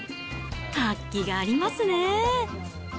活気がありますね。